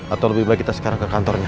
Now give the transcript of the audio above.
atau lebih baik kita sekarang ke kantornya